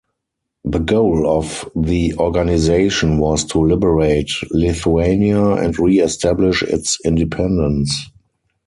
The goal of the organization was to liberate Lithuania and re-establish its independence.